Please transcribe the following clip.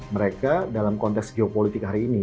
mereka dalam konteks geopolitik hari ini